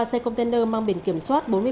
xe container mang biển kiểm soát